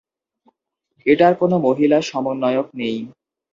এটার কোন মহিলা সমন্বয়ক নেই।